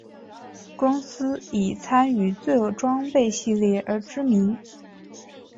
公司以参与罪恶装备系列而知名。